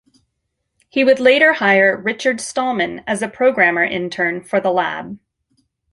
He would later hire Richard Stallman as a programmer intern for the lab.